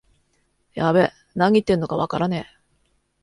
やべえ、なに言ってんのかわからねえ